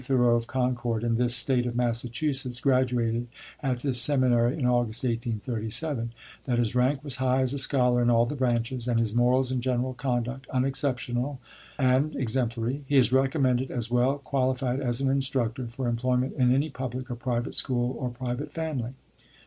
Thoreau, of Concord, in this State of Massachusetts, graduated at this seminary in August, 1837; that his rank was high as a scholar in all the branches, and his morals and general conduct unexceptionable and exemplary. He is recommended as well qualified as an instructor, for employment in any public or private school or private family.